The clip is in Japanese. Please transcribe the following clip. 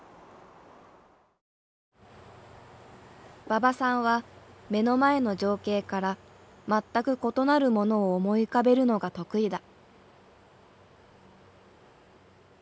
馬場さんは目の前の情景から全く異なるものを思い浮かべるのが得意だ。